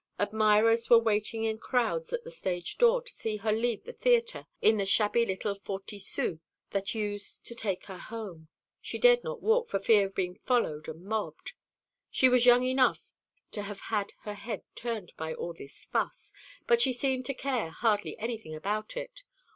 Admirers were waiting in crowds at the stage door to see her leave the theatre, in the shabby little forty sous that used to take her home. She dared not walk, for fear of being followed and mobbed. She was young enough to have had her head turned by all this fuss; but she seemed to care hardly anything about it.